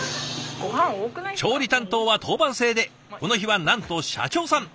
調理担当は当番制でこの日はなんと社長さん。